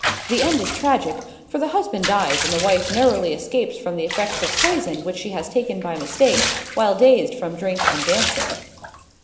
The end is tragic, for the husband dies and the wife narrowly escapes from the effects of poison which she has taken by mistake while dazed from drink and dancing.